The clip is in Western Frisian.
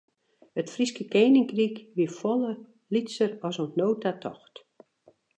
It Fryske keninkryk wie folle lytser as oant no ta tocht.